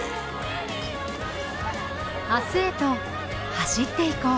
明日へと走っていこう